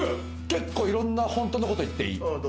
結構いろんな本当のこと言っていい？